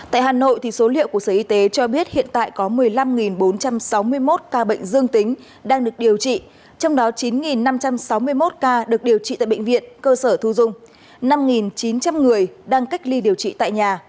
tại hà nội số liệu của sở y tế cho biết hiện tại có một mươi năm bốn trăm sáu mươi một ca bệnh dương tính đang được điều trị trong đó chín năm trăm sáu mươi một ca được điều trị tại bệnh viện cơ sở thu dung năm chín trăm linh người đang cách ly điều trị tại nhà